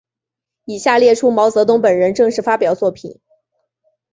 以下列出毛泽东本人正式发表作品。